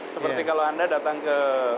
seperti kalau anda datang ke